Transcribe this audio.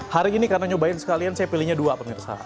hari ini karena nyobain sekalian saya pilihnya dua pemirsa